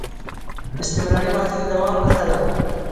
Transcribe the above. استمراري ماضي د دوام نخښه ده.